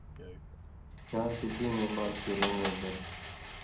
کاں چے (دِینَیں بال ڇېلیَیں یاں دن)